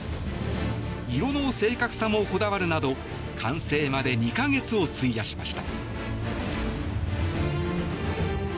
色の正確さもこだわるなど完成まで２か月を費やしました。